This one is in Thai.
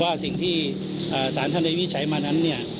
ว่าสิ่งที่ศาลท่านได้วิจัยมานั้นเนี่ย